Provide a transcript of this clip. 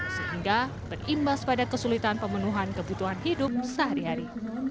sehingga berimbas pada kesulitan pemenuhan kebutuhan hidup sehari hari